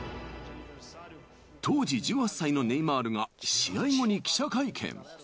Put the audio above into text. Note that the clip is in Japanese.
当時１８歳のネイマールが試合後に記者会見。